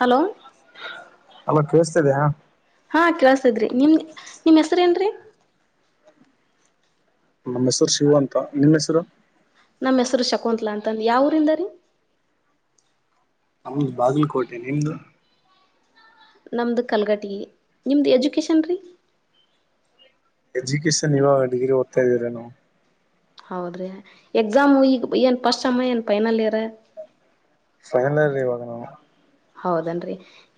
Hello ಅಲ ಕೇಳಸ್ತಿದೆಯ. ಹಾ ಕೆಲಸದ್ರಿ ನಿಮ ನಿಮ್ ಹೆಸರ ಏನ್ರೀ. ನಮ್ಮ ಹೆಸರ ಶಿವ ಅಂತ ನಿಮ್ಮ ಹೆಸರು. ನಮ್ಮ ಹೆಸರ ಶಕುಂತ್ಲ ಅಂತಂದು ಯಾವರಿಂದ ರೀ. ನಮದ ಬಾಗಲಕೋಟೆ ನಿಮ್ದು ನಮ್ದ ಕಲ್ಗಟಿಗೆ ನಿಮ್ದು ಎಜುಕೇೇಶನ್ ರೀ. ಎಜುಕೇಶಷನ್ ಇವಾಗ ಡಿಗ್ರಿ ಓದ್ತಾ ಇದೀವರಿ ನಾವ. ಹೌದ ರೀ ಎಕ್ಸಾಮು ಈಗ ಏನ ಫಸ್ಟ್ ಸೆಮ್ಮ ಏನ ಫೈನಲ್ ಇರ. ಫೈನಲ್ ಇವಾಗ ನಾವ ಹೌದನ್ರೀ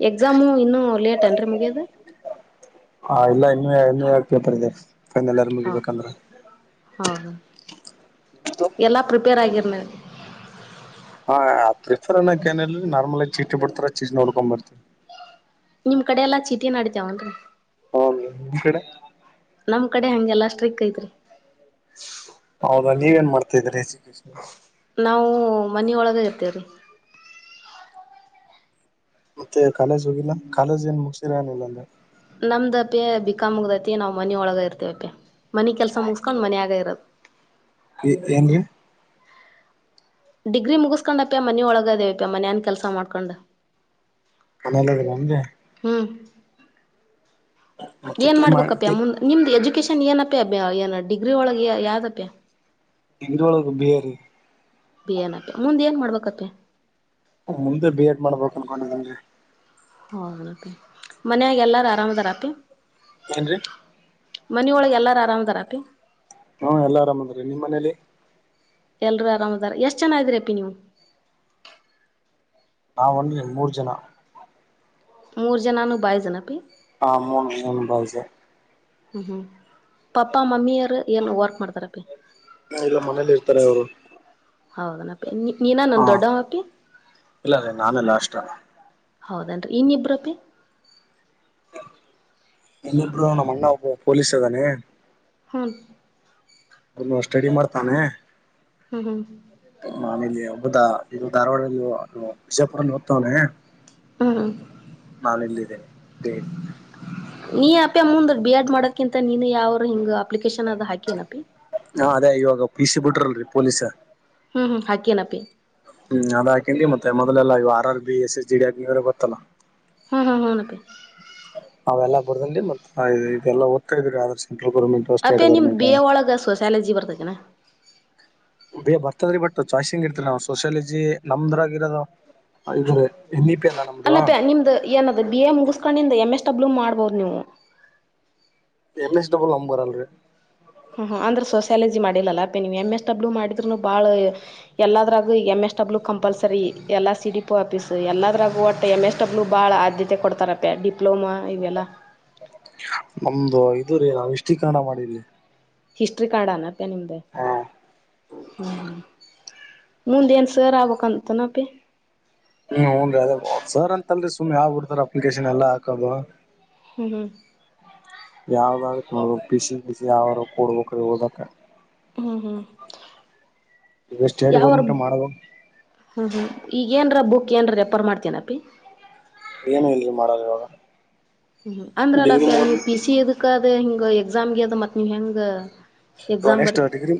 ಎಕ್ಸಾಮು ಇನ್ನುೂ ಲೇಟ್ನ್ರರಿ ಮುಗಿಯದ. ಹಾ ಇಲ್ಲ ಇನ್ನು ಇನ್ನು ಯ ಪೇಪರ್ ಇದೆ ಫೈನಲ್ ಇರ್ ಹಾ ಮುಗಿಬೇಕಂದ್ರೆ. ಹೌದ ಎಲ್ಲಾ ಪ್ರಿಪೇರ್ ಆಗಿರ್ಲ. ಹಾ ಪ್ರಿಫರ್ ಅನಕ ಏನ ನಾರ್ಮಲ್ ಆಗ ಚೀಟಿ ಬಿಡ್ತಾರ ಚೀಟಿ ನೋಡ್ಕೊ ಬರ್ತೀವಿ. ನಿಮ್ ಕಡೆ ಎಲ್ಲ ಚೀಟಿ ನಡತಾವನ್ರೀ. ಹುನ್ರಿ ನಿಮ್ಮ್ ಕಡೆ ನಮ್ ಕಡೆ ಹಂಗೆಲ್ಲ ಸ್ಟ್ರಿಕ್ ಐತ್ರಿ. ಹೌದಾ ನೀವೇನ್ ಮಾಡ್ತಾ ಇದೀರಿ ಎಜುಕೇಶನ್. ನಾವು ಮನಿ ಒಳಗ ಇರ್ತೇವ್ರೀ. ಮತ್ತೆ ಕಾಲೇಜ್ ಹೋಗಿಲ್ಲ ಕಾಲೇಜ್ ಏನ್ ಮುಗಸಿರಾ ಏನಿಲ್ಲ ಅಂದೆ. ನಮದ ಪಿ ಬಿಕಾಮಗದತಿ ನಾವ್ ಮನೆ ಒಳಗ ಇರ್ತತಿವಪ್ಪೆ ಮನಿ ಕೆಲ್ಸ ಮುಗಸ್ಕೊಂಡ ಮನ್ಯಾಗ ಇರದು. ಈ ಏನ್ರಿ. ಡಿಗ್ರಿ ಮುಗಿಸಸ್ಕೊಂಡಪ್ಯಾ ಮನೆ ಒಳಗದೇವಪ್ಯಾ ಮನೆ ಕೆಲಸಾ ಮಾಡ್ಕೊಂಡ. ಮನೇಲಿದೀರೆಂಡ್ರಿ. ಹು ಮತ್ತೆ ಏನ್ ಟೀ ಮಾಡ್ಬೇಕಪ್ಪ್ಯಾ ಮಾಡಿ ಮುಂದ ನಿಮ್ದು ಎಜುಕೇಶನ್ ಏನಪ್ಪ್ಯಾ ಅ ಏನು ಡಿಗ್ರಿ ಒಳಗೆ ಯಾವ್ದಪ್ಪ್ಯಾ. ಹಿಂದು ಒಳಗ ಹೊಗ್ಗೆರಿ. ಪಿಯೆನೈತ ಮುಂದ ಏನ್ ಮಾಡ್ಬೇಕಪ್ಪ್ಯಾ. ಮುಂದೆ ಬಿ ಎಡ್ ಮಾಡ್ಬೇಕು ಅನ್ಕೊಂಡಿದೆನಿ. ಹೌದಣಪ್ಪಿ ಮನ್ಯಾಗ ಎಲ್ಲಾರು ಆರಾಮದಾರಾಪ್ಪಿ. ಏನಂಡ್ರಿ. ಮನಿ ಒಳಗ ಎಲ್ಲಾರು ಆರಾಮದಾರಾಪಿ. ಹು ಎಲ್ಲಾ ಆರಾಮಅದಾರಿ ನಿಮ್ಮ ಮನೇಲಿ. ಎಲ್ರೂಅರಾಮದಾರ ಎಷ್ಟ ಜನಾ ಅದಿರಿ ಅಪ್ಪಿ ನೀವು. ನಾವುಂಡ್ರಿ ಮೂರ ಜನಾ. ಮೂರು ಜನಾನು ಬಾಯಜ್ ನಪ್ಪಿ. ಹಾ ಮೂರು ಜನಾನು ಬಾಯಜೇ. ಹು ಹು ಪಪ್ಪಾ ಮಮ್ಮಿಯರು. ಏನು ವರ್ಕ್ ಮಾಡ್ತಾರಪ್ಪಿ ಇಲ್ಲ ಮನೇಲಿ ಇರ್ತಾರೆ ಅವರು ಹೌದನ ಅಪ್ಪಿ ನೀ ನೀನನ ಹಾ ದೊಡ್ಡವ ಅಪ್ಪಿ. ಇಲ್ಲ ರೀ ನಾನೇ ಲಾಸ್ಟ್ ಹೌದೇನಂಡ್ರಿ ಇನ್ನ ಇಬ್ಬರಪ್ಪಿ. ಇನ್ನಿಬ್ರು ನಮ್ಮ ಅಣ್ಣಾ ಒಬ್ಬವ ಪೊಲೀಸ್ ಅದಾನೆ. ಹನ್ ಇನ್ನವ ಸ್ಟಡಿ ಮಾಡ್ತಾನೆ. ಹು ಹು ನಾನಿಲ್ಲಿ ಹಬ್ಬುದಾ ಇದು ಧಾರವಾಡಲ್ಲಿ ವಿಜಯಪುರಲ್ಲಿ ಓದ್ತವನೆ. ಹ್ಮ್ ಹ್ಮ್ ನಾಳೆ ಇಲ್ಲಿದ್ದೇ ಡೇ. ನೀ ಅಪ್ಪ್ಯಾ ಮುಂದ ಬಿ ಎಡ್ ಮಾಡೋಕಿಂತ ನೀನು ಯಾವ್ರ ಹಿಂಗ ಅಪ್ಲಿಕೇಶನ್ ಅದ ಹಾಕಿನಪ್ಪಿ. ಹಾ ಅದೇ ಇವಾಗ ಪಿಸಿ ಬಿಟ್ರಲಡ್ರಿ ಪೊಲೀಸ್. ಹು ಹು ಹಾಕಿ ನಪ್ಪಿ. ಹು ಅದ ಹಾಕೇನಿ ಮತ್ತ ಮೊದಲೆಲ್ಲಾ R B S S G D Agniveer ಗೊತ್ತಲ್ಲಾ. ಹಾ ಹಾ ಹಾ ಹುನಪ್ಪಿ. ಅವೆಲ್ಲಾ ಬರ್ದಲ್ಲಿ ಮತ್ತ ಇದೆಲ್ಲಾ ಓದತ್ತಾ ಇದರಿ ಆದರ್ ಸೆಂಟ್ರಲ್ ಗೋರ್ಮೆಂಟ್. ಅಪ್ಪ್ಯಾ ನಿಮ್ಮ್ದ ಬಿ ಎ ಒಳಗೆ ಸೋಸ್ಯಾಲಜಿ ಬರ್ತತೆತನ. ಬೇ ಬರ್ತದ್ರಿ ಬಟ್ ಚಾಯ್ಸಿಂಗ್ ಇರ್ತರಿ ನಾವು ಸೋಷಿಯಾಲಜಿ ನಮ್ದ್ರಗರೋದು. ಇದುರಿ ಎನ್ ಇ ಪಿ ಎಲ್ಲ ನಮ್ಮ ಅಲ್ಲಪ್ಪ್ಯಾ ನಿಮ್ಮ್ದು ಏನದು ಬಿ ಎ ಮುಗಿಸ್ಕೊಂಡಿಂದ ಎಮ್ ಎಸ್ ಡಬ್ಲ್ಯೂ ಮಾಡ್ಬೋದು ನೀವು. ಎಮ್ ಎಸ್ ಡಬ್ಲ್ಯೂ ನಮಗಬರಲ್ಲರೀ. ಹು ಹು ಅಂದ್ರ ಸೋಸ್ಯಾಯಾಲಜಿ ಮಾಡಿಲ್ಲಲ್ಲ ಅಪ್ಪ್ಯಾ ನೀವು ಎಮಂ ಎಸ್ ಡಬ್ಲ್ಯೂ ಮಾಡಿದ್ರುನು ಬಾಳ. ಎಲ್ಲದರಾಗೂ ಎಮ್ ಎಸ್ ಡಬ್ಲ್ಯೂ ಕಂಪಲ್ಸರಿ ಎಲ್ಲಾ ಸಿ ಡಿ ಪೊ ಆಫೀಸು ಎಲ್ಲದರಾಗೂ ಒಟ್ಟ. ತ್ತ ಎಮ್ ಎಸ್ ಡಬ್ಲು ಭಾಳ ಆದ್ಯತೆ ಕೊಡ್ತಾರಪ್ಪ್ಯಾ ಡಿಪ್ಲೊಮಾ ಇವೆಲ್ಲಾ. ನಮ್ದು ಇದು ರೀ ನಾವು ಹಿಷ್ಟೀಕರಣ ಮಾಡಿವಿ. ಹಿಸ್ಟ್ರಿ ಕನ್ನಡ್ದಾ ನು ಅಪ್ಪ್ಯಾ ನಿಮ್ದ. ಹ್ಮ ಹು ಮುಂದ ಏನ್ ಸರ್ ಆಬೇಕಬೇಕಂತನಪ್ಪಿ. ಹು ಹುಡ್ರಿ ಅದೇ ಸರ್ ಅಂತಲ್ರಿ ಸುಮ್ಮ್ ಆಗ್ಬ ಬಿಡ್ತ ಅಪ್ಲಿಕೇಶನ್ ಎಲ್ಲಾ ಹಾಕೋದು. ಹು ಹು ಯಾವ್ದಾಗತ್ತ ನೋಡಬೇಕ ಪಿಸಿ ಪಿಸಿ ಯಾವಾರ ಕೊಡ್ಬೇಕ್ರಿ ಓದಕ್ಕ. ಹ್ಮ್ ಹ್ಮ್ ಈಗ ಸ್ಟೇಟ್ ಗೌರ್ಮೆಂಟ್ [unintelligible] ಮಾಡಬೇಕು ಹ್ಞೂ ಹ್ಞೂ ಈಗಏರ ಬುಕ್ ಏನರ ರೇಪ್ಪರ ಮಾಡ್ತೀನಪ್ಪಿ ಏನ್ ಇಲ್ರಿ ಮಾಡಲ್ವಾಗ ಹ್ಮ್ ಅಂದ್ರಲ್ಲ ನೀ ಪಿ ಸಿ ಇದಕ್ ಅದ ಹಿಂಗ ಎಕ್ಸಾಮ್ಗೆ ಅದ ಮತ್ತ ನೀವ್ ಹೆಂಗ ಎಕ್ಸಾಮ್ ಬರಿ ಎಷ್ಟ ಡಿಗ್ರಿ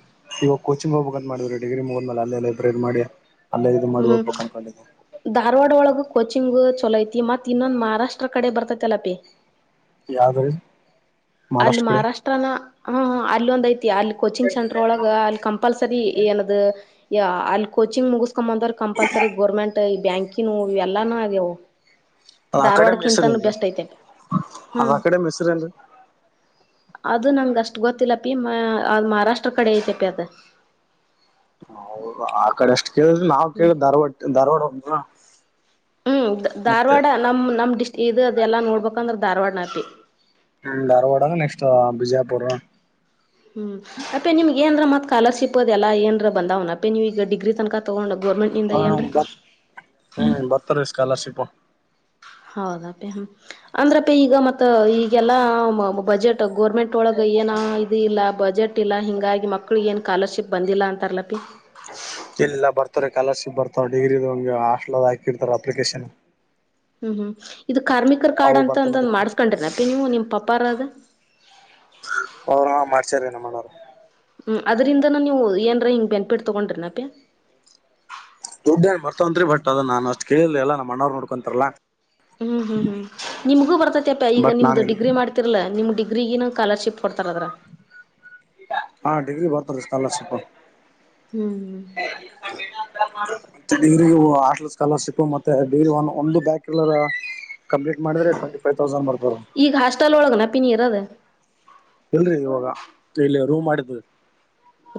ಇವಾಗ ಕೋಚಿಂಗ್ ಹೋಗ್ಬಂತ ಮಾಡ್ರಿ ಡಿಗ್ರಿ ಮುಗ್ಮೇಲೆ ಅಲ್ಲೇ ಲೈಬ್ರರಿ ಮಾಡಿ ಅಲ್ಲೇ ಇದು ಮಾಡಿ ಹ್ಮ್ ಹೋಗ್ಬೇಕು ಕನ್ಕೊಂಡಿದ್ದಿದೆ ಧಾರವಾಡ ಒಳಗೆ ಕೋಚಿಂಗು ಚೊಲೋಐತಿ ಮತ್ ಮತ್ತು ಇನ್ನೊಂದು ಮಹಾರಾಷ್ಟ್ರ ಕಡೆ ಬರ್ತೈತಲ ಪಿ ಯಾವದರೀ ಅಲ್ಲಿ ಮಹಾರಾಷ್ಟ್ರ ಹ ಹ ಅಲ್ಲಿ ಒಂದ್ ಐತಿ ಅಲ್ಲಿ ಕೋಚಿಂಗ್ ಸೆಂಟರ್ ಒಳಗ ಅಲ್ಲಿ ಕಂಪಲ್ಸರಿ ಏನದ ಯ ಅಲ್ಲಿ ಕೋಚಿಂಗ್ ಮುಗಿಸ ಕೊ ಬಂದವ್ರ ಕಂಪಲ್ಸರಿ ಗೋರ್ಮೆಂಟ್ ಈ ಬ್ಯಾಂಕಿನ ಇವೆಲ್ಲಾನ ಆಗ್ಯವು ಅದ ಅಕಾಡೆಮಿ ಧಾರ್ವಾಡಕ್ಕಿಂತಾನೂ ಹೆಸರೇನ್ರಿ ಬೆಸ್ಟ್ ಐತೆ ಅಲ್ಲಿ ಹ್ಮ್ [unintelligible] ಅದು ನಂಗ ಅಷ್ಟ್ ಗೊತ್ತಿಲ್ಲ ಅಪಿ ಅದ್ ಮಹಾರಾಷ್ಟ್ರ ಕಡೆ ಐತಪಿ ಅದ ಹೌದ ಆ ಕಡೆ ಅಷ್ಟ್ ಕೇಳಿದ್ರ ನಾವ್ ಕೇಳ ಹ್ಮ್ ಧಾರ್ವಾಡ ಧಾರ್ವಾಡ ಅಂತ ಹ್ಮ್ ಧಾರವಾಡ ನಮ್ಮ ನಮ್ಮ್ ಡಿಸ್ಟಕ ಇದು ಅದೆಲ್ಲ ನೋಡ್ಬೇಕಂದ್ರೆ ಧಾರವಾಡ ನಪಿ ಹ ಧಾರವಾಡ ನೆಕ್ಸ್ಟ್ ಬಿಜಾಪುರ್ ಹ್ಮ್ ಅಪಿ ಏನ್ ಮತ್ ಸ್ಕಾಲರ್ಶಿಪ್ ಅದೆಲ್ಲ ಏನ್ರ ಬಂದ್ನ ಅಪ್ಪಿ ನೀವ ಈಗ ಡಿಗ್ರಿ ತನ್ಕ ತಗೊಂಡ ಗೋರ್ಮೆಟ್ ಇಂದ ಏನ್ರೀ ಬರ್ ಹ್ಮ್ ಬರ್ತಾರೀ ಸ್ಕಾಲರ್ಷಿಪ ಹೌದಾ ಅಪೇ ಹ ಅಂದ್ರ ಅಪೆ ಈಗ ಮತ್ತ ಈಗೆಲ್ಲಾ ಬಜೆಟ್ ಗೋರ್ಮೆಂಟ್. ಟ್ ಒಳಗ ಏನ ಇದು ಇಲ್ಲ ಬಜೆಟ್ ಇಲ್ಲಾ ಹಿಂಗಾಗಿ ಮಕ್ಳ ಏನ್ ಸ್ಕಾಲರ್ಶಿಪ್ ಬಂದಿಲ್ಲ ಅಂತಾರಲಪಿ ಇಲ್ಲ ಬರ್ತಾರೆ ಸ್ಕಾಲರ್ಶಿಪ್ ಬರ್ತಾರೆ ಡಿಗ್ರಿಗೆ ಹಾಸ್ಟೆಲ್ನಲ್ಲಿ ಹಾಕಿರ್ತಾರೆ ಅಪ್ಲಿಕೇಶನ್ ಹ್ಮ್ ಹ್ಮ್ ಇದು ಕಾರ್ಮಿಕರ ಕಾರ್ಡ್ ಅವು ಅಂತ ಬರ್ತ ಅಂದಂದ್ ಮತ್ತೆ ಮಾಡ್ಸ್ಕೊಂಡ್ರ ಅಪ್ಪಿ ನೀವು ನಿಮ್ ಪಪ್ಪರದ ಅವರು ಮಾಡ್ಸಾರ ನಮ್ಮನೋರು ಹ್ಞೂ ಅದರಿಂದಾನ ನೀವು ಏನರೇ ಹಿಂಗೆ ಬೆೆನ್ಪಿಟ್ ತೊಗೊಂಡ್ರಿ ನಪೆ ದುಡ್ಡ ಬರ್ತವಂತ್ರಿ ಬಟ್ ಅದು ನಾ ಅಷ್ಟ ಕೇಳಿಲ್ಲಿಲ್ಲ ನಮ್ಮ ಅಣ್ಣಾವ್ರು ನೋಡ್ಕೊಂತಾರಲ್ಲ ಹ್ಮ್ ಹ್ಮ್ ಹ್ಮ್ ನಿಮಗೂ ಬರ್ತೈತಿ ಅಪ್ಪಾ ಈಗ ಬಟ್ ನಾನ ನಿಮ್ದು ಇಲ್ಲಿ ಡಿಗ್ರಿ ಮಾಡ್ ಇಲ್ಲಾ ನಿಮ್ ಡಿಗ್ರಿಗೆ ಸ್ಕಾಲರ್ಶಿಪ್ ಕೊಡ್ತಾರ ಅದ ಹಾ ಡಿಗ್ರಿ ಬರ್ತ ರೀ ಸ್ಕಾಲರ್ಶಿಪ್ಪು ಹ್ಮ್್ಮ ಹ ಆ ಸ್ಕಾಲರ್ಶಿಪ್ ಮತ್ತೆ ಒಂದು ಒಂದು ಬ್ಯಾಕ್ ಇರಲ್ಲರ ಕಂಪ್ಲಟ್ ಮಾಡಿದ್ರ ಪೋಟಿಪೈ ತೌಸಂಡ್ ಬರ್ತದ ಈಗ ಹಾಸ್ಟೆಲ್ ಒಳ ನ ಪಿ ನೀ ಇರೋದ ಇಲ್ರರಿ ಇವಾಗ ಇಲ್ಲಿ ರೂಮ್ ಮಾಡಿದ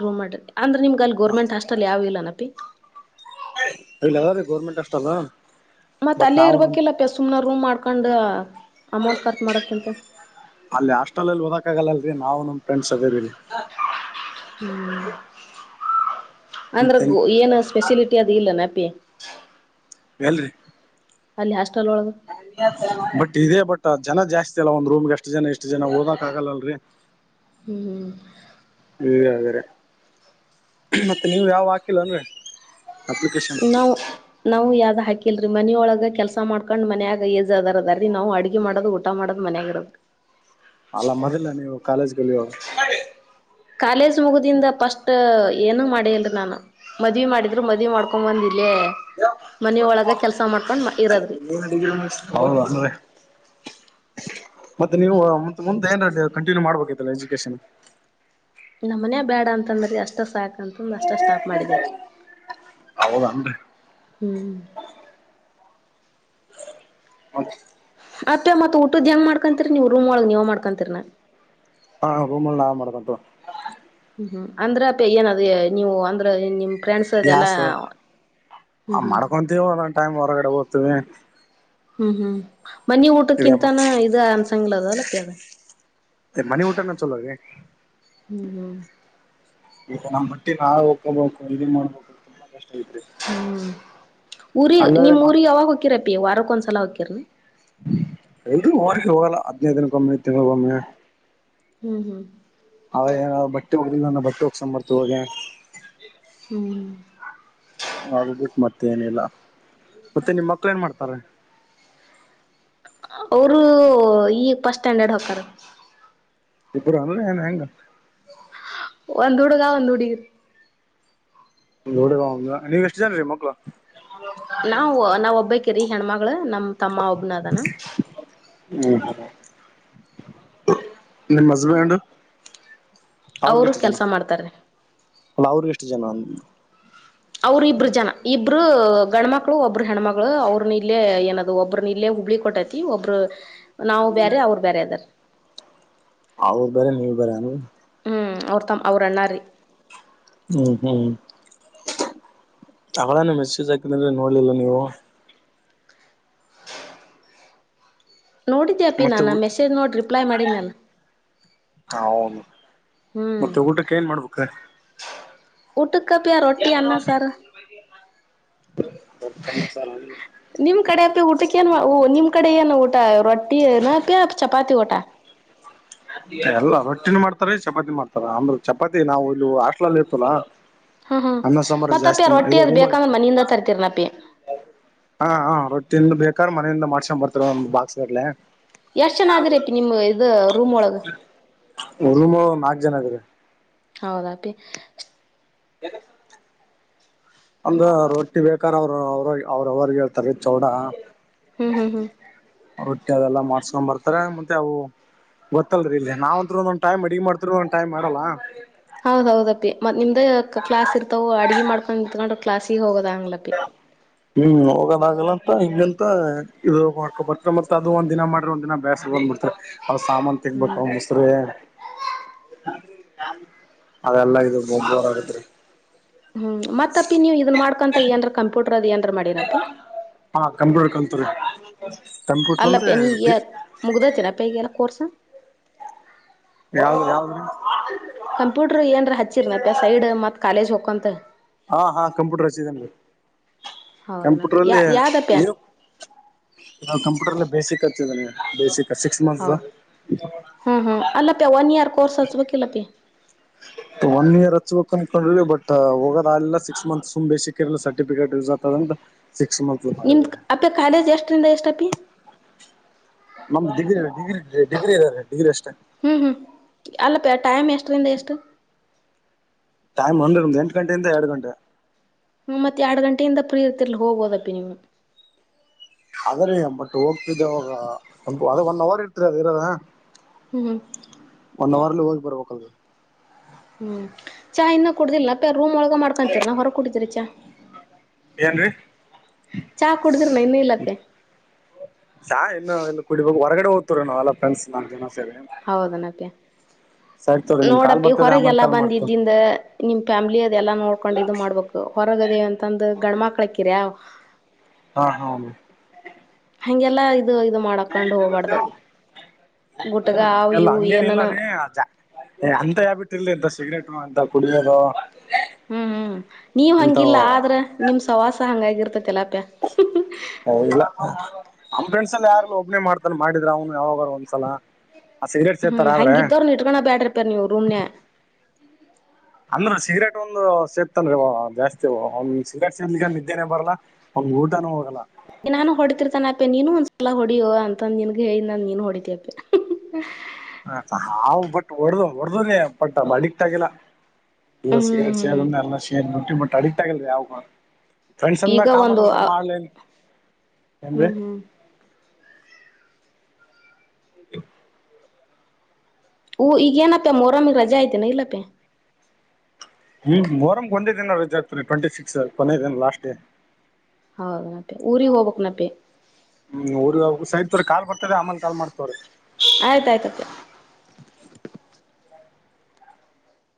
ರೂಮ್ ಮಾಡ್ರಿ ಅಂದ್ರ ನಿಮ್ ಅಲ್ಲಿ ಗರ್ಮೆಂಟ್ ಹಾಸ್ಟೆಲ್ ಯಾವು ಇಲ್ಲ ನಪ್ಪಿ ಇಲ್ಲ ಯ [unintelligible] ಗೌರ್ಮೆಂಟ್ ಹಾಷ್ಟಲ್ ಮತ್ತ ಅಲ್ಲೇ ಇರ್ಬೇಕಿಲ್ಲ ಅಪಿ ಸುಮ್ನ ರೂಮ್ ಮಾಡ್ಕೊಂಡ್ ಅಮೌಂಟ್ ಖರ್ಚು ಮಾಡೋಕಿಂತ ಅಲ್ಲಿ ಹಾಸ್ಟೆಲ್ನಲ್ಲಿ ಓದಕ ಆಗಲ್ಲಲರೀ ನಾವು ನಮ್ ಫ್ರೆಂಡ್ಸ ಅದೀವರಿ ಹ್ಮ್ ಅಂದ್ರ ಮತ್ತೇನ್ ಗ ಏನ ಸ್ಪೆಲಿಟಿ ಅದು ಇಲ್ಲ ನಪಿ ಎಲ್ರಿ ಅಲ್ಲಿ ಹಾಸ್ಟೆಲ್ ಒಳಗ ಬಟ್ ಇದೇ ಬಟ್ ಜನ ಜಾಸ್ತಿ ಅಲ್ಲ ಒಂದ್ ರೂಮ್ಗೆ ಅಷ್ಟ್ ಜನ ಇಷ್ಟ್ ಜನ ಓದಕ್ ಆಗಲ್ಲ ಅಲ್ರರಿ. [inaudible] ಹ್ಮ್್- ಇಲ್ಲ ಹಾಗ್ರೆ ಮತ್ತೆ ನೀವು ಯಾವ ಹಾಕಿಲ್ಲ ಅಂದ್ರೆ. ನವು- ನಾವು ಯಾವ್ದ್ ಹಾಕಿಲ್ರರಿ ಮನಿಯೊಳಗ ಕೆಲಸ ಮಾಡ್ಕೊಂಡ್ ಮನಯಾಗ ಏಜ್ ಅದಾರದ ರೀ ನಾ್ ಅಡುಗೆ ಮಾಡದಟ್ಟ. ಊಟ ಮಾಡದ ಮನ್ಯಾಗಿಿರದು. ಅಲ್ಲ ಮೊದಲ್ಲ ನೀವು ಕಾಲೇಜ್ ಲ್ಲಿಾಗ. ಕಾಲೇಜ್ ಮುಗಿದಿಂದ ಫಸ್ಟ್ ಏನುೂ ಮಾಡಿಲ್ರಿ ನಾನು. ಮದ್ವಿ ಮಾಡಿದ್ರು ಮದ್ವಿ ಮಾಡ್ಕೊಂಡ್ ಬಂದಿಲ್ಲೇ ಮನ ಒಳಗ ಕೆಲ್ಸ ಮಾಡ್ಕೊಂಡ್ ಇರದ್ರಿ. [inaudible] ಹೌದಲ್ರಿ. ಮತ್ತೆ ನೀವು ಮುೆ ಏನ್ ಕಂಟಿನ್ಯೂ ಮಾಡ್ಬೇಕಿತ್ತಲ್ಲ ಎಜುಕೇಶನ್. ನಮ್ಮ ಮನ ಬೇಡ ಅಂತಂದ್ರ ಅಷ್ಟ ಸಾಕ ಅಂತಂದ್ರ ಅಷ್ಟ ಸ್ಟಾಪ್ ಮಾಡಿದಾರ. ಹೌದನ್ರಿ ಹ್ಮಞ- ಹ- ಅತ್ತತ್ತ್ತತ್ಊದ್ದ ಹೆಂಗ್ ಮಾಡ್ಕಂತೀರಿ ನೀವು ರೂಮ್ ಒಳಗ್ ನೀವು ಮಾಡ್ಕೊಂತೀರಾ. ಹಾ ರೂಮ್ ನಾ ಮಾಡ್ಬೇಕಂತ. ಹ್ಮ್ ಹ್ಮ್ ಅಂದ್ರೆ ಅ ಪ ಏನದ ನೀವು ಅಂದ್ರ ನಿಮ. ಫ್ರೆಂಡ್ಸ್ ಅದೆ ಎಲ್ಲಾ ಗ್ಯಾಸ್ ಹ್ಮ್ ಹ್ಮ್. ನ ಟೈಮ್ ಹೊರಗಡೆ ಹೋಗ್ತೀವಿ. ಹ್ಮ್ ಹ್ಮ್ ಮನಿ ಇದ ಊಟಕ್ಕಿಂತಾನ ಇ ಅನ್ಸಂಗ್ಲದಲ್ಲ ಪ್ಯದ. ಮನಿ ಊಟಾ ಚೊಲೋ ರಿ. ಹ್ಮ್ ಹ್ಮ್ ಈಗ ನಮ್ಮ್ ಬಟ್ಟಿ ನಾವ. [inaudible] ಹ್ಮ್ ಊರಿ ನಿಮ್ ಊರಿಗೆ ಯಾವಾಗ ಹಕಿರ ಪಿ ವಾರಕ್ ಒಂದ್ಸಲ ಹಕಿರನಿ. ಎಲ್ ಅವಿಗೆ ಹೋಗಲ್ಲ ಹದ್ನೈದು ದಿನಕ್ಕೊಮ್ಮೆ ತಿಂಳಗ ಒೊಮ್ಮೆ. ಹ್ಮ್ ಹ್ಮ್- ಅವೇಏ್ ಬಟ್ಟೆ ಹೋಗದಿಲ್ಲ ನಾ ಬಟ್ಟ ಹೋಗ್ಸಕಂಬರ್ತವ ಹಾಗೆ. ಹ್ಮಞ- ಅ ಬಿಟ್ಟ ಮತ್ತೆ ಏನಿಲ್ಲ ಮತ್ತೆ ನಿಮ್ ಮಕ್ಳ ಏನ್ ಮಾಡ್ತಾರೆ. ಅವರು ಈಗ ಪಫಸ್ಟ್ ಸ್ಟ್ಯಾಂಡರ್ಡ್ ಹಾಕಾರ. ಇಬರ ಅಲ್ಲ ಏನ್ ಹೆಂಗ. ಒಂದ್ ಹುಡುಗ ಒಂದ್ ಹುಡುಗಿ. ನೋಡಿ ನೀವ್ ಎಷ್ಟು ಜನರರಿ ಮಕ್ಳು. ನಾವ್ ನಾವ್ ಒಬ್ಬಕರಿ ಹೆಣ್ಮಳ ನಮ್ ತಮ್ಮ ಒಬ್ನ ಅದನ. ಹ್ಮ ಹ್ಮ- ನಿಮ್ ಹಸ್ಬೆಂಡ್. ಅವ್ರಗ ಅವರು ಎಷ್ಟು ಜನ ಕೆಲಸ ಮಾಡ್ತಾರೆ. ಅಲ್ಲ ಅವ್ರಿಗೆ ಎಷ್ಟು ಜನ ಅ. ಅವರುಿಬ್ಬರು ಜನ. ಇಬ್ರು ಗಂಡ್ಮಕ್ಳು ಒಬ್ಬರು ಹೆಣ್ಮಳು ಅವ್ರನ ಇಲ್ಲೇ ಏನದು ಒಬ್ಬ್ರನ ಇಲ್ಲೇ ಹುಬ್ಳಿ ಕೊಟ್ಟೈತಿ. ಒಬ್ರು ನಾವು ಬೇರೆ ಅವರು ಬೇರೆ ಅದಾರ. ಅವಾ ಬ್ಯಾರ ನೀವ ಬ್ಯಾರೆ. ಹ್ಮ್ ಅವ್ರ ತ ಅವ್ರು ಅಣ್ಣೀ. ಹ್ಮ್ ಹ್ಮ್ ಅವಳನು ಮೆಸೇಜ್ ಹಾಕಿದ ಅಂದ್ರೆ ನೋಡ್ಿಲ್ಲ ನೀವು. ನೋಡಿದ್ಯಾಾಪ್ಪಿ ಮತ್ತೆ ನಾನು ಮೆಸೇಜ್ ನೋಡಿ ರಿಪ್ಲೈ ಮಾಡಿದ್ದ್ ನಾನ. ಹ ಹೌದು ಹ್ಮ್ ಮತ್ತೆ ಊಟಕ್ಕೆ ಏನ್ ಮಾಡ್ಬೇಕು. ಊಟಕ್ಕ ಪೀ ರೊಟ್ಟಿ ಅನ್ನ ಸಾರು. ನಿಮ್ ಕಡೆ ಅಪಿ ಊಟಕ್ಕೆ ಏನ್ ನಿಮ್ ಕಡೆ ಏನ್ ಊಟ ರೊಟ್ಟಿಪಿ ಚಪಾತಿ ಊಟ. ಎಲ್ಲಾ ರೊಟ್ಟಿನ ಮಾಡ್ತಾರ ಚಪಾತಿ ಮಾಡ್ತಾರ ಅಂದ್ರ ಚಪಾತಿ ನಾವು ಇಲ್ಲಿ ಹಾಸ್ಟಲ್ಲ ಇರ್ತವಲ್ಲ. ಹ್ಮ್ ಹ್ಮ್ ಮತ್ತಪ್ಪಿ ಅವು ರೋಟ್ಟಿ ಅದು ರೂಮಲ್ಲಿ ಬೇಕಂದ್ರೆ ಮನಿಂದ ತರ್ತೀರನಪ್ಪಿ. ಹಾ ಹ ರೊಟ್ಟಿದ ಬೇಕಾರ್ ಮನೆಯಿಂದ ಮಾಡ್ಸಕೊಂಡ್ ಬರ್ತರ ಒಮ ಬಾಕ್ಸ್ಡ್ಲೆ. ಎಷ್ಟು ಜನ ಆದಿರಪ್ಪ ನಿಮ್ಮ ಇದು ರೂಮ್ ಒಳಗೆ. ರೂಂ ಒಳಗೆ ನಾಲ್ಕು ಜನ ಅದಿವಿ. ಹೌದಾ ಪೀ. ಏನು. ಅಂದ್ರ ರೊಟ್ಟಿ ಬೇಕಾರ ಅವರು ಅವ್ರ ಅವ್ರ ಅವ್ರ ಹೇಳ್ತಾರೆ ಚೊಡ. ಹ್ಮ್ ಹ್ಮ್ ಹ್ಮ್ ರೊಟ್ಟಿ ಅದೆಲ್ಲ ಮಾಡ್ಸ್ಕೊಂಡ್ ಬರ್ತಾರೆ ಮತ್ತೆ ಅವು. ಗೊತ್ತಲ್ರಿ ಇಲ್ಲಿ ನಾವ ಅಂತ್ ಒಂದೊದು ಟೈಮ್ ಅಡಿಗ್ ಮಾಡ್ತೀವಿ ಒಂದೊಂದ್ ಟೈಮ್ ಮಾಡಲ್ಲ. ಹೌದ್ ಹೌದಪ್ಪಿ ಮತ್ ನಿಮ್ದ ಕ್ಲಾಸ್ ಇರ್ತವು ಅಡಿಗೆ ಮಾಡ್ಕೊಂಡು ನಿತ್ಕೊಂಡ್ರರು ಕ್ಲಾಸಗ ಹೋಗೋದು ಆಗದಿಲ್ಲ. [inaudible] ಹ್ಮ್ ಹೋಗೋದಾಗಲ್ಲ ಅಂತ ಇಲ್ಲಿಂತ ಇದು ಹೊಕೊ ಬರ್ತಾರೆ ಮತ್ತತ್ ಅದು ಒಂದ್ ದಿನ ಮಾಡ್ರಿ ಒಂದ್ ದಿನ ಬೇಸರ ಬಂದ್ ಬಿಡ್ತಾರೆ. ಅ ಸಾಮಾನ ಹ್ಮ್ ತಿಕ್ಕಾಬೇಕ. ಅದೆಲ್ಲ ಇದು ಗೊಬರ ಆಗತ್ ರೀ. ಹ್ಮ್ ಮತ್ತಪ್ಪಿ ನೀವು ಇದ್ನ್ ಮಾಡ್ಕಂತ ಏನ್ರ ಕಂಪ್ಯೂಟರ್ ಅದ ಏನ್ ಮಾಡಿ. ಹಾ ಕಂಪ್ಯೂಟರ್ [inaudible] ಕಂಪ್ಯೂಟರ್ ಅಂದ್ರೆ. ಮುಗ್ದೈತೆ ಏನಾ ಪೀ ಈಗಿನ್ ಕೋರ್ಸ್. ಯಾವ ಯಾವದು. ಕಂಪ್ಯೂಟರು ಏನರ ಹಚ್ಚಿರನಪ್ಪ್ಯ ಸೈಡ್ ಮತ್ತು ಕಾಲಜ್ ಹೋಗಕಂತ. ಹಾ ಹಾ ಕಂಪ್ಯೂಟರ್ ಹಚ್ಚಿದ್ದೇನೆ ಹೌದನಪ್ಪ ಕಂಪ್ಯೂಟರ್ ಯ ಅಲ್ಲಿ ಯಾವ್ದಪ್ಯ ನೀವು. ಕಂಪ್ಯೂಟರ್ಲ್ಲಿ ಬೇಸಿಕ್ ಹಚ್ಚಿದ್ದೇನೆ ಬೇಸಿಕ್ ಸಿಕ್ಸ್ ಹೌ ಮಂತ್ಸ್ದು. ಹ್ಮ್ ಹ್ಮ್ ಅಲ್ಲ ಪೀ ಒನ್ ಇಯರ್ ಕೋರ್ಸ್ ಹಚ್ಬೇಕಿಲ್ಲ ಪಿ. ಒನ್ ಇಯರ್ ಹಚ್ಬೇಕು ಅನ್ಕೊಂಡ್ರಿ ಬಟ್ ಹೋಗೋದಲ್ಲ ಸಿಕ್ಸ್ ಮಂತ್ಸ್ ಸುಮ್ ಬೇಸಿಕ್ ಇರಲಿ ಸರ್ಟಿಫಿಕೇಟ್ ಯೂಸ್ ಆಗ್ತದ ಅಂತ. Six month. ನಿಮ್ದು ಅಪ್ಪೆ ಕಾಲೇಜ್ ಎಷ್ಟರಿಂದ ಎಷ್ಟಪ್ಪಿ. ನಮ್ದ್ ಡಿಗ್ರಿ ಡಿಗ್ರಿ ಡಿಗ್ರಿ [unintelligible] ಡಿಗ್ರಿ ಅಷ್ಟೇ. ಹ್ಞೂ ಹ್ಞೂ ಅಲ್ಲ ಪಿ ಟೈಮ್ ಎಷ್ಟರಿಂದ ಎಷ್ಟು. ಟೈಮ್ ಒಂದು ಎಂಟ ಗಂಟಿಂದ ಎರಡು ಗಂಟೆ. ಹ್ಂ ಮತ್ತ ಎರಡು ಗಂಟೆಯಿಂದ ಪ್ರೀ ಇರ್ತಿರ್ಲಿ ಹೋಗಬೋದಪ್ಪಿ ನೀವು. ಅದ್ರೀ ಬಟ್ ಹೋಗ್ತಿದ್ದೆ ಅವಾಗ ಒ ಅದ ಒನ್ ಅವರ್ ಇಡ್ತರಿ ಅದ ಇರದ. ಹ್ಮ್ ಹ್ಮ. ಒನ್ ಅವರ್ಲ್ಲಿ ಹೋಗಿ ಬರ್ಬೇಕಲ್. ಹ್ಮ್ ಚಾ ಇನ್ನೂ ಕುಡುದಿಲ್ಲ ಪ ರೂಮ್ ಒಳಗ ಮಾಡ್ಕೊಂತೀರ ನ ಹೊರಗ್ ಕುಡಿದೀರಿ ಚಾ. ಏನ್ರೀ. ಚಾ ಕುಡಿದಿರ್ನ ಇನ್ನ ಇಲ್ಲಪ್ಪೆ ಚ ಇನ್ನು ಇಲ್ಲಿ ಕುಡಿಬಬೇಕಕ್ ಹೊರಗಡೆ ಹೋಗ್ತವ್ರ ನಾವ್ಲ್ಲ ಫ್ರೆಂಡ್ಸ್ ನಾಕು ಜನ ಸರಿ. ಹೌದೇನಾ ಪೀ. ತೋರಿ ನಿಮ್ ಕಾಲ್ ನೋಡಪಿ ಬರ್ತದೆ ಹೊರಗೆ ಆಮೇಲೆ ಎಲ್ಲಾ ಕಾಲ್ ಬಂದ ಮಾಡ್ತವ ಇದಿಂದ ನಿಮ್ ಫ್ಯಾಮಿಲಿ ಅದೆ ಎಲ್ಲಾ ನೋಡ್ಕೊಂಡ್ ಇದು ಮಾಡ್ಬೇಕು. ಹೊರಗದೇ ಅಂತಂದ ಗಂಡ್ಮಕ್ಳಕ್ಕಿರ. ಹಾ ಹಾ. ಹಂಗೆಲ್ಲಾ ಇದು ಇದು ಮಾಡಕೊಂಡು ಹೋಗ್ಬಾರ್ದ ಗುಟ್ಗ ಆವು ಎಲ್ಲ ಇವು ಏನಾನ. [unintelligible] ಅಂತ ಯಾಬಿಟ್ಟ್ರಿಲ್ರಿ ಇಂತಸಿಗ್ರೇಟ್ ಇಂತವ ಕುಡಿಯದು. ಹ್ಮ್, ಹ್ಮ್ ನೀವ್ ಹಂಗಿಲ್ಲ ಆದ್ರ ನಿಮ ಸಹವಾಸ ಹಂಗಾಗಿರ್ತಲ್ಲಾಪ್ಯ. ಹ ಇಲ್ಲ [inaudible] ನಮ್ಮ ಫ್ರೆಂಡ್ಸ್ ಎಲ್ಲ ಯಾರ್ ಒಬ್ನನೆ ಮಾಡ್ತಾನ ಮಾಡಿದ್ರ ಅವನು ಯಾವಾಗಾರ ಒಂದ್ಸಲ. ಆ ಸಿಗರೇಟ್ ಹ್ಮ್, ಸೇತಾರ ಆದ್ರೆ ಹಂಗ ಇದ್ದವ್ರು ಇಟ್ಕೋ ಬ್ಯಾಡ್ರಪ್ಪಾ ನಿಮ್ಮ ರೂಮ್ನಾಗ. ಅಂದ್ರ ಸಿಗರೇಟ್ ಒಂದು ಸೇತನ್ರಿ ಅವಾ ಜಾಸ್ತಿ ಸಿಗರೇಟ್ ಸೇದಲಿಕನನಿದ್ದೆನೆ ಬರಲ್ಲಾ. ವ್ನಂಗ್ ಊಟಾನೂ ಹೋಗಲ್ಲ. ನಾನು ಹೊಡತಿರ್ತಾನ ಅಪ್ಪೆ ನೀನು ಒಂದ್ಸಲ ಹೊಡಿಯೋ ಅಂತಂದ ನಿನ್ಗ ಹೇಳ ನಂದರನೀನು ಹೊಡಿತಿಯಪ್ಪಿ. ಹಾ, ಬಟ್ ಹೊಡ್ದ ಹೊಡ್ದನನೇ ಬಟ್ ಅಡಿಕ್ಟ್ ಆಗಿಲ್ಲ. ಎಲ್ಲ ಸಿಕರೆಟ್ ಹ್ಮ್ ಸೇದಿನ ಎಲ್ಲಾ ಸೇದಿನಿ ಬಟ್ಟ್ ಅಡಿಕ್ಟ ಆಗಿಲ್ರಿಯಾವುಕನು. ಫ್ರೆಂಡ್ಸ್ ಅಂದ ಈಗ ಕಾಮನ್ ಒಂದು ಅಂತ್ರ ಮಾಡ್ಲೇನ್- ಹ್ಮ್, ಹ್ಮ್ ಹೌದು [inaudible] ಹೂಂ, ಈಗೇನಪ್ಪಾ ಮೊಹರಂಗ ರಜೆ ಐತನ ಇಲ್ಲಪ್ಪ್. ಹ್ಮ್, ಮೊಹರಂ ಒಂದೇ ದಿನ ರಜೆ ಆಗ್ತದರಿ ಟ್ವೆಂಟಿ ಸಿಕ್ಸ್ ಕೊನೇ ದಿನ ಲಾಸ್ಟ್ ಡೇ. ಹೌದು, [unintelligible] ನಪಿ ಊರಿಗೆ ಹೋಗ್ಬೇಕಕ್ ನಪೆ ಹ್ಮ್, ಊರಿಗಿ ಹೋಗಬೇಕಸರಿ ಕಾಲ್ ಬರ್ತದ ಆಮೇಲೆ ಕಾಲ್ ಮಾಡ್ತನಿ ತೋರಿ. ಆಯ್ತಾಯ್ತತ್ ಅಪ್ಪಿ